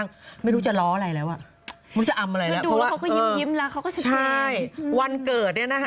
นี่คือทางออกที่ห๊ะ